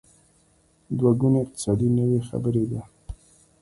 دوه ګونی اقتصاد نوې خبره ده.